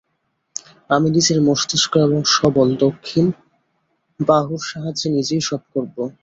আমি নিজের মস্তিষ্ক এবং সবল দক্ষিণ বাহুর সাহায্যে নিজেই সব করব।